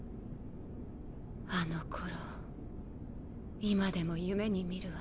あのころ今でも夢に見るわ。